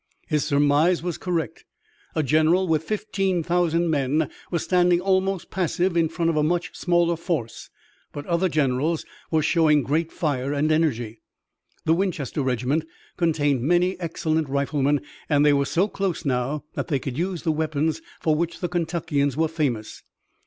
His surmise was correct. A general with fifteen thousand men was standing almost passive in front of a much smaller force, but other generals were showing great fire and energy. The Winchester regiment contained many excellent riflemen and they were so close now that they could use the weapons for which the Kentuckians were famous.